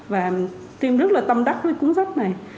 và em rất là tâm đắc với cuốn sách này